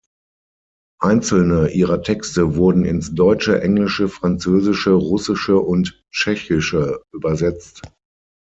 Einzelne ihrer Texte wurden ins Deutsche, Englische, Französische, Russische und Tschechische übersetzt.